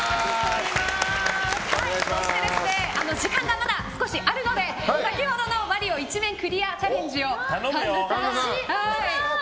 そして、時間がまだ少しあるので先ほどの「マリオ」１面クリアチャレンジを私？